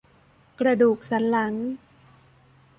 กระดูกสันหลัง